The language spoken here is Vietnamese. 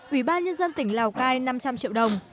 ủy ban nhân dân tỉnh lào cai năm trăm linh triệu đồng